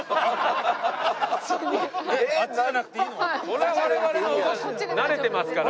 それは我々の方が慣れてますから。